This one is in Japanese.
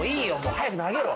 ・「早く投げろ」